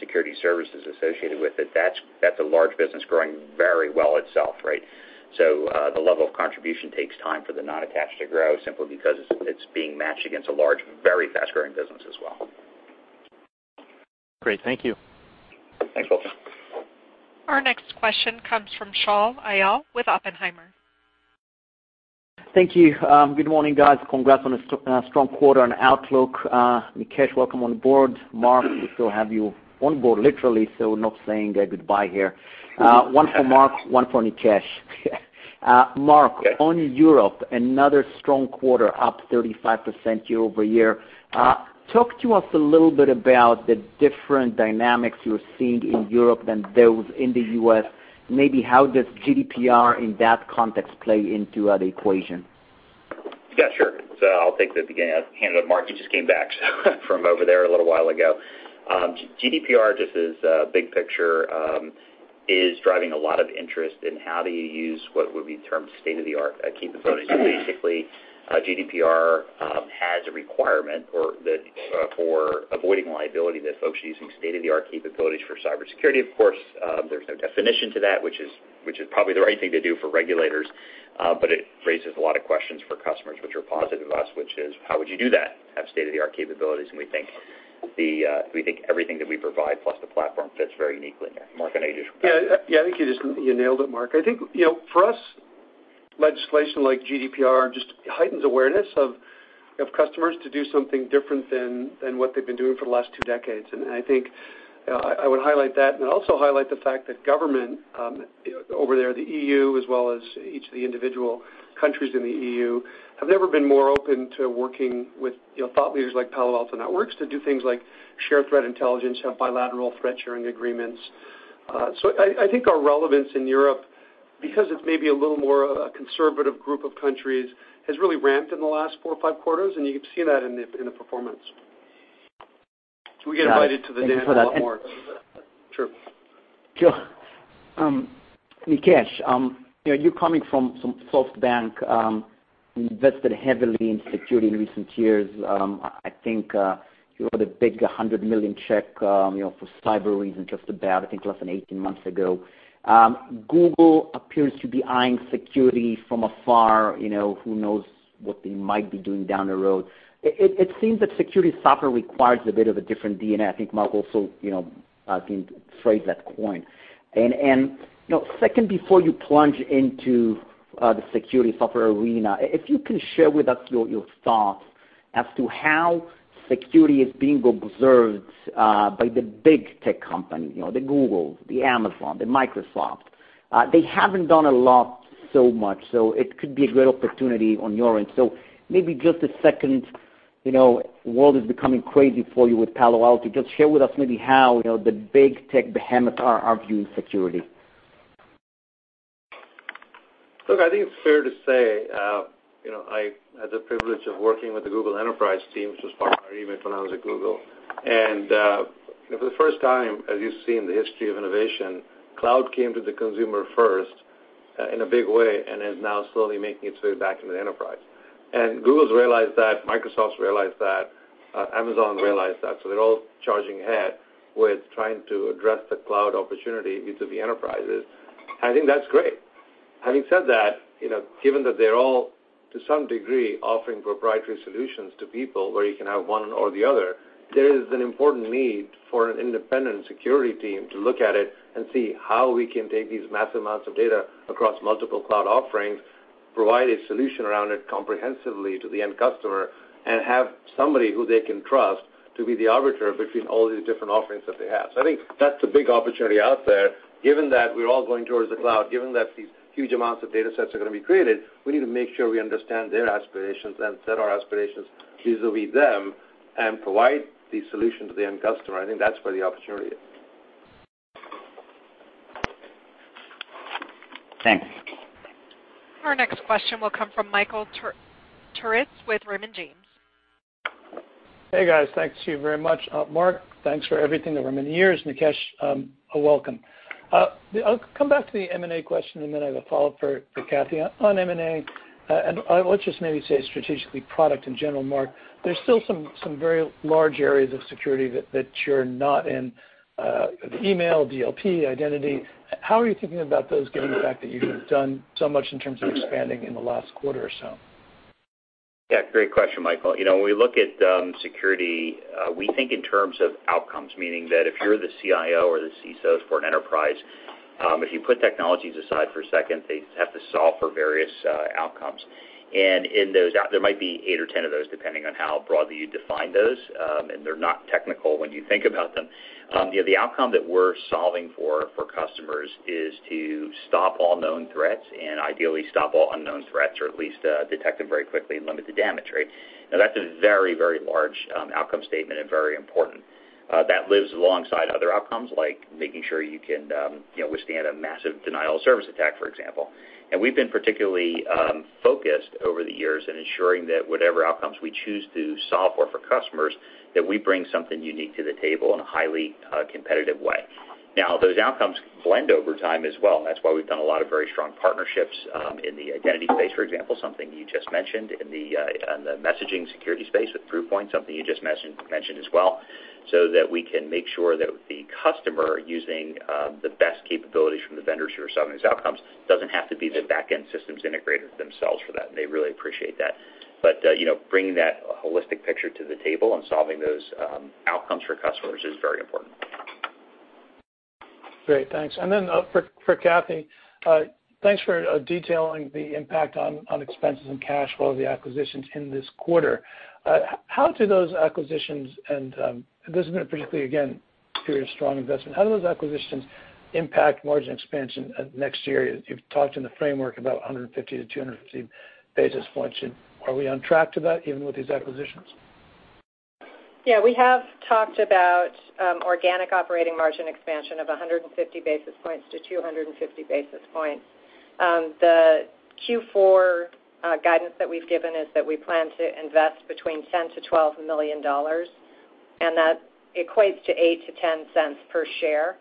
security services associated with it, that's a large business growing very well itself, right? The level of contribution takes time for the non-attached to grow simply because it's being matched against a large, very fast-growing business as well. Great. Thank you. Thanks, Walter. Our next question comes from Shaul Eyal with Oppenheimer. Thank you. Good morning, guys. Congrats on a strong quarter and outlook. Nikesh, welcome on board. Mark, we still have you on board literally, so not saying goodbye here. One for Mark, one for Nikesh. Mark, on Europe, another strong quarter, up 35% year-over-year. Talk to us a little bit about the different dynamics you're seeing in Europe than those in the U.S. Maybe how does GDPR in that context play into the equation? Yeah, sure. I'll take the beginning. I'll hand it to Mark. He just came back from over there a little while ago. GDPR, just as a big picture, is driving a lot of interest in how do you use what would be termed state-of-the-art capabilities. Basically, GDPR has a requirement for avoiding liability that folks are using state-of-the-art capabilities for cybersecurity. Of course, there's no definition to that, which is probably the right thing to do for regulators, but it raises a lot of questions for customers, which are positive to us, which is, how would you do that, have state-of-the-art capabilities? We think everything that we provide plus the platform fits very uniquely in there. Mark, any additional comments? Yeah, I think you nailed it, Mark. I think for us Legislation like GDPR just heightens awareness of customers to do something different than what they've been doing for the last two decades. I think I would highlight that and also highlight the fact that government over there, the EU, as well as each of the individual countries in the EU, have never been more open to working with thought leaders like Palo Alto Networks to do things like share threat intelligence, have bilateral threat sharing agreements. I think our relevance in Europe, because it's maybe a little more of a conservative group of countries, has really ramped in the last four or five quarters, and you can see that in the performance. We get invited to the dance a lot more. True. Nikesh, you're coming from SoftBank, invested heavily in security in recent years. I think you wrote a big $100 million check for Cybereason, just about, I think less than 18 months ago. Google appears to be eyeing security from afar. Who knows what they might be doing down the road. It seems that security software requires a bit of a different DNA. I think Mark also phrased that coin. Second, before you plunge into the security software arena, if you can share with us your thoughts as to how security is being observed by the big tech companies, the Googles, the Amazon, the Microsoft. They haven't done a lot so much, so it could be a great opportunity on your end. Maybe just a second, world is becoming crazy for you with Palo Alto. Just share with us maybe how the big tech behemoths are viewing security. Look, I think it's fair to say, I had the privilege of working with the Google Enterprise team, which was part of our event when I was at Google. For the first time, as you see in the history of innovation, cloud came to the consumer first in a big way and is now slowly making its way back into the enterprise. Google's realized that, Microsoft's realized that, Amazon realized that. They're all charging ahead with trying to address the cloud opportunity vis-à-vis enterprises. I think that's great. Having said that, given that they're all, to some degree, offering proprietary solutions to people where you can have one or the other, there is an important need for an independent security team to look at it and see how we can take these massive amounts of data across multiple cloud offerings, provide a solution around it comprehensively to the end customer, and have somebody who they can trust to be the arbiter between all these different offerings that they have. I think that's a big opportunity out there, given that we're all going towards the cloud, given that these huge amounts of data sets are going to be created, we need to make sure we understand their aspirations and set our aspirations vis-à-vis them and provide the solution to the end customer. I think that's where the opportunity is. Thanks. Our next question will come from Michael Turits with Raymond James. Hey, guys. Thank you very much. Mark, thanks for everything over many years. Nikesh, welcome. I'll come back to the M&A question, then I have a follow-up for Kathy on M&A. Let's just maybe say strategically product in general, Mark, there's still some very large areas of security that you're not in, the email, DLP, identity. How are you thinking about those given the fact that you have done so much in terms of expanding in the last quarter or so? Yeah, great question, Michael. When we look at security, we think in terms of outcomes, meaning that if you're the CIO or the CISO for an enterprise, if you put technologies aside for a second, they have to solve for various outcomes. In those, there might be eight or 10 of those, depending on how broadly you define those, and they're not technical when you think about them. The outcome that we're solving for customers is to stop all known threats and ideally stop all unknown threats or at least detect them very quickly and limit the damage. That's a very large outcome statement and very important. That lives alongside other outcomes like making sure you can withstand a massive denial of service attack, for example. We've been particularly focused over the years in ensuring that whatever outcomes we choose to solve for customers, that we bring something unique to the table in a highly competitive way. Those outcomes blend over time as well. That's why we've done a lot of very strong partnerships in the identity space, for example, something you just mentioned, in the messaging security space with Proofpoint, something you just mentioned as well, so that we can make sure that the customer using the best capabilities from the vendors who are solving these outcomes doesn't have to be the back-end systems integrators themselves for that, and they really appreciate that. Bringing that holistic picture to the table and solving those outcomes for customers is very important. Great, thanks. Then for Kathy, thanks for detailing the impact on expenses and cash flow of the acquisitions in this quarter. This has been a particularly, again, period of strong investment. How do those acquisitions impact margin expansion next year? You've talked in the framework about 150-250 basis points. Are we on track to that even with these acquisitions? Yeah, we have talked about organic operating margin expansion of 150 basis points to 250 basis points. The Q4 guidance that we've given is that we plan to invest between $10 million-$12 million, that equates to $0.08-$0.10 per share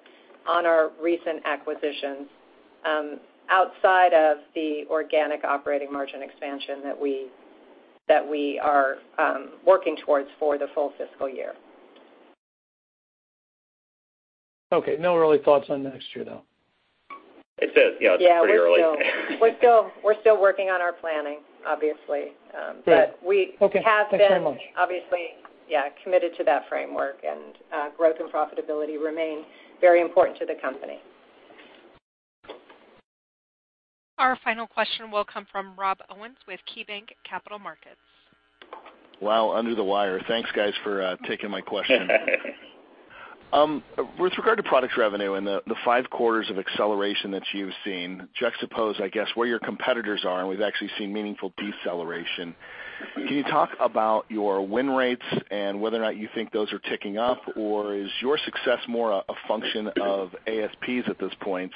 on our recent acquisitions outside of the organic operating margin expansion that we are working towards for the full fiscal year. Okay. No early thoughts on next year, though? It's pretty early. We're still working on our planning, obviously. Great. Okay. Thanks very much. We have been, obviously, committed to that framework, and growth and profitability remain very important to the company. Our final question will come from Rob Owens with KeyBanc Capital Markets. Wow, under the wire. Thanks guys for taking my question. With regard to product revenue and the five quarters of acceleration that you've seen, juxtaposed, I guess, where your competitors are, and we've actually seen meaningful deceleration. Can you talk about your win rates and whether or not you think those are ticking up, or is your success more a function of ASPs at this point?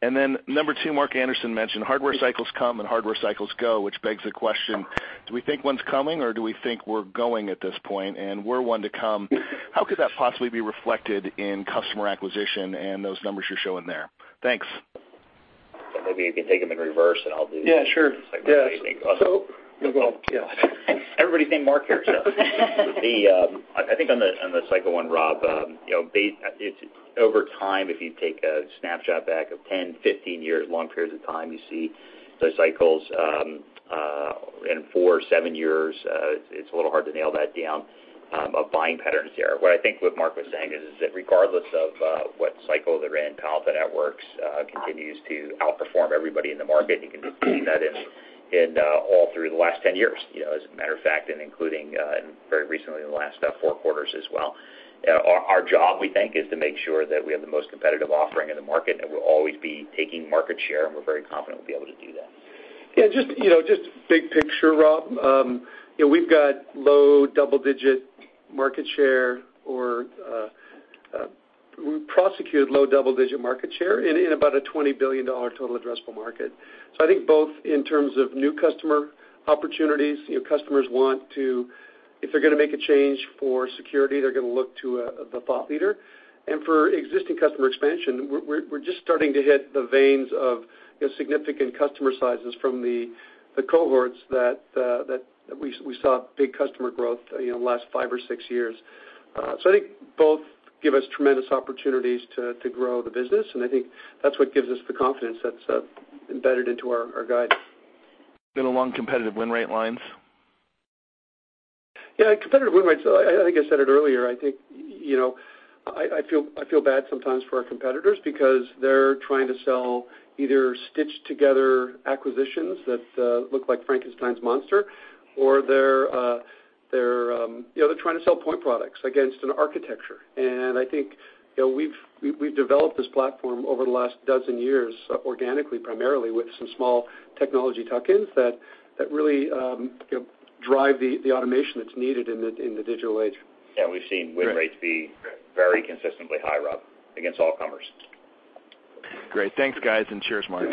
Number two, Mark Anderson mentioned hardware cycles come and hardware cycles go, which begs the question, do we think one's coming or do we think we're going at this point? We're one to come, how could that possibly be reflected in customer acquisition and those numbers you're showing there? Thanks. Maybe you can take them in reverse and I'll do. Yeah, sure. The second one. Yeah. You go. Yeah. Everybody thank Mark here. I think on the cycle one, Rob, over time, if you take a snapshot back of 10, 15 years, long periods of time, you see those cycles, in four, seven years, it's a little hard to nail that down, of buying patterns there. What Mark was saying is that regardless of what cycle they're in, Palo Alto Networks continues to outperform everybody in the market. You can see that all through the last 10 years, as a matter of fact, and including very recently in the last four quarters as well. Our job, we think, is to make sure that we have the most competitive offering in the market, and we'll always be taking market share, and we're very confident we'll be able to do that. Yeah, just big picture, Rob. We've got low double-digit market share, or we prosecuted low double-digit market share in about a $20 billion total addressable market. I think both in terms of new customer opportunities, customers want to, if they're going to make a change for security, they're going to look to the thought leader. For existing customer expansion, we're just starting to hit the veins of significant customer sizes from the cohorts that we saw big customer growth the last five or six years. I think both give us tremendous opportunities to grow the business, and I think that's what gives us the confidence that's embedded into our guide. Along competitive win rate lines? Yeah, competitive win rates, I think I said it earlier, I feel bad sometimes for our competitors because they're trying to sell either stitched-together acquisitions that look like Frankenstein's monster, or they're trying to sell point products against an architecture. I think we've developed this platform over the last dozen years organically, primarily with some small technology tuck-ins that really drive the automation that's needed in the digital age. We've seen win rates be very consistently high, Rob, against all comers. Great. Thanks, guys, and cheers, Mark.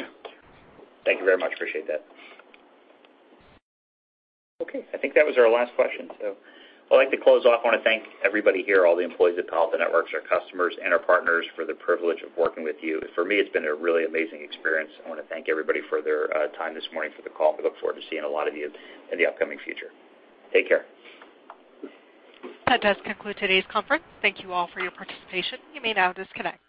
Thank you very much. Appreciate that. I think that was our last question. I'd like to close off. I want to thank everybody here, all the employees at Palo Alto Networks, our customers and our partners for the privilege of working with you. For me, it's been a really amazing experience. I want to thank everybody for their time this morning for the call. I look forward to seeing a lot of you in the upcoming future. Take care. That does conclude today's conference. Thank you all for your participation. You may now disconnect.